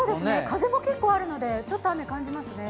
風も結構あるので、ちょっと雨を感じますね。